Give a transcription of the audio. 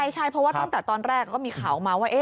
ใช่เพราะว่าตั้งแต่ตอนแรกก็มีข่าวออกมาว่า